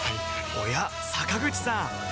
おや坂口さん